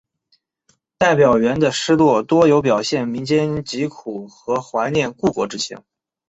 戴表元的诗作多有表现民间疾苦和怀念故国之情。